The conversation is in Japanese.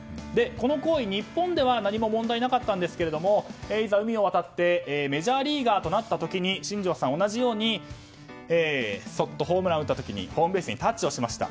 この行為、日本では何も問題なかったんですがいざ、海を渡ってメジャーリーガーになった時にそっとホームランを打った時にホームベースにタッチしました。